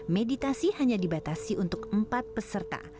meditasi hanya dibatasi untuk empat peserta